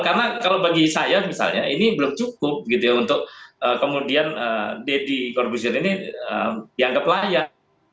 karena kalau bagi saya misalnya ini belum cukup untuk kemudian deddy corbusier ini dianggap layak